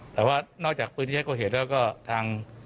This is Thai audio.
แต่ว่านอกจากปืนที่ใช้ก่อเหตุแล้วก็ทาง